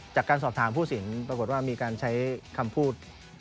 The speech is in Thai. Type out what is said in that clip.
จากการสอบถามผู้สินปรากฏว่ามีการใช้คำพูด